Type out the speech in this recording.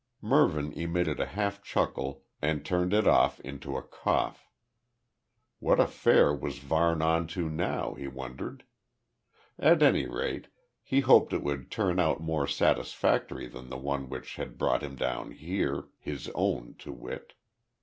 Mervyn emitted a half chuckle and turned it off into a cough. What affair was Varne on to now, he wondered? At any rate he hoped it would turn out more satisfactory than the one which had brought him down here, his own to wit.